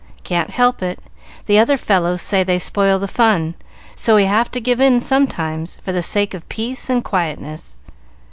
"Can't help it; the other fellows say they spoil the fun, so we have to give in, sometimes, for the sake of peace and quietness.